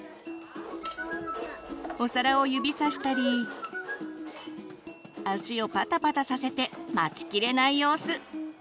お皿を指さしたり足をパタパタさせて待ちきれない様子！